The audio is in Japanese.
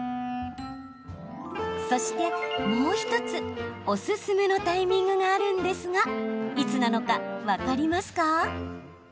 そして、もう１つおすすめのタイミングがあるんですがいつなのか分かりますか？